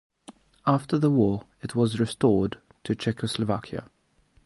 After the war it was restored to Czechoslovakia.